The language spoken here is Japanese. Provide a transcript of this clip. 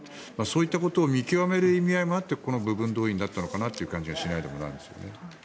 そういったことを見極める意味合いもあってこの部分動員だったのかなという感じがしないでもないですね。